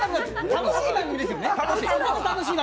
楽しい番組ですよね。